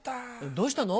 どうしたの？